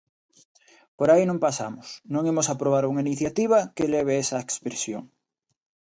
Por aí non pasamos, non imos aprobar unha iniciativa que leve esa expresión.